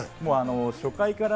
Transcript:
初回から。